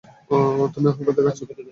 তুমি অহংকার দেখাচ্ছ?